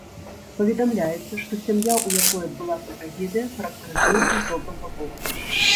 Паведамляецца, што сям'я, у якой адбылася трагедыя, характарызуецца з добрага боку.